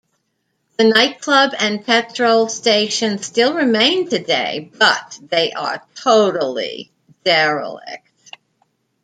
The nightclub and petrol station still remain today, but they are totally derelict.